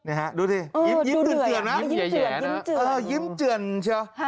โอ้ยดูที่ยิ้มจืนเจือนนะ